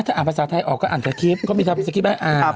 ถ้าอ่านภาษาไทยออกก็อ่านตามสกริปเขาไม่ทำสกริปให้อ่าน